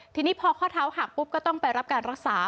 ทีนี้พอข้อเท้าหักปุ๊บก็ต้องไปรับการรักษา